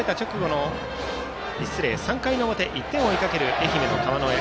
３回の表１点を追いかける愛媛の川之江。